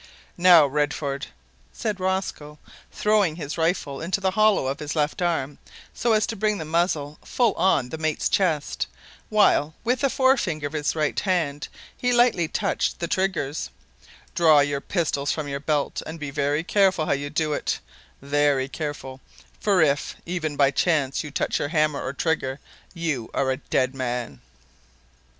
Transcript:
"Now, Redford," said Rosco, throwing his rifle into the hollow of his left arm, so as to bring the muzzle full on the mate's chest, while, with the forefinger of his right hand, he lightly touched the triggers, "draw your pistols from your belt, and be very careful how you do it very careful for if, even by chance, you touch hammer or trigger, you are a dead man."